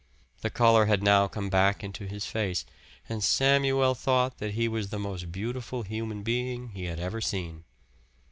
The color had now come back into his face, and Samuel thought that he was the most beautiful human being he had ever seen.